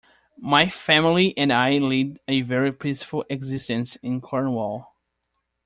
My family and I lead a very peaceful existence in Cornwall.